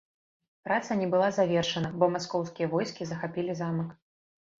Праца не была завершана, бо маскоўскія войскі захапілі замак.